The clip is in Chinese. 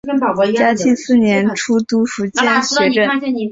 嘉庆四年出督福建学政。